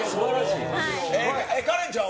カレンちゃんは？